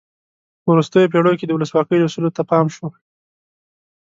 په وروستیو پیړیو کې د ولسواکۍ اصولو ته پام شو.